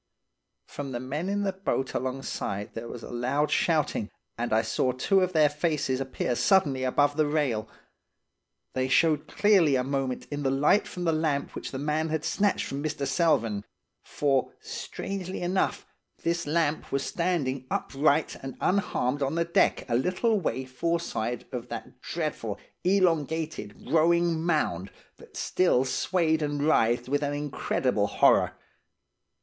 "From the men in the boat alongside there was a loud shouting. and I saw two of their faces appear suddenly above the rail. They showed clearly a moment in the light from the lamp which the man had snatched from Mr. Selvern; for, strangely enough, this lamp was standing upright and unharmed on the deck, a little way foreside of that dreadful, elongated, growing mound, that still swayed and writhed with an incredible horror.